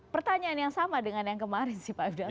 pertanyaan yang sama dengan yang kemarin sih pak abdul